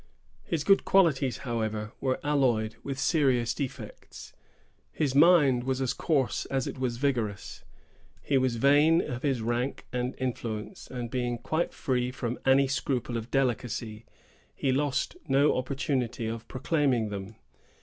His good qualities, however, were alloyed with serious defects. His mind was as coarse as it was vigorous; he was vain of his rank and influence, and being quite free from any scruple of delicacy, he lost no opportunity of proclaiming them.